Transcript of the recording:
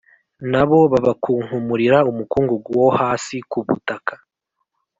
Na bo babakunkumurira umukungugu wo hasi ku butaka